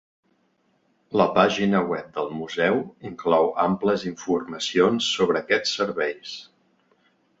La pàgina web del Museu inclou amples informacions sobre aquests serveis.